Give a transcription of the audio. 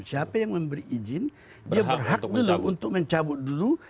siapa yang memberi izin dia berhak dulu untuk mencabut dulu